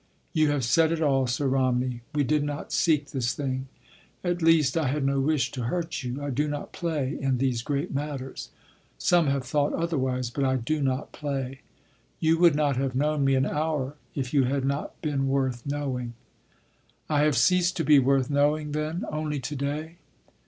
"You have said it all, Sir Romney. We did not seek this thing. At least, I had no wish to hurt you. I do not play in these great matters. Some have thought otherwise, but I do not play. You would not have known me an hour if you had not been worth knowing—" "I have ceased to be worth knowing then—only to day?"